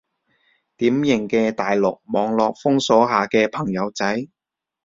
典型嘅大陸網絡封鎖下嘅朋友仔